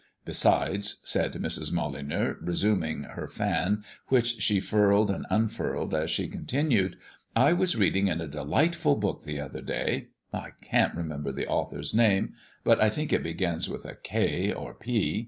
Besides," said Mrs. Molyneux, resuming her fan, which she furled and unfurled as she continued, "I was reading in a delightful book the other day I can't remember the author's name, but I think it begins with K or P.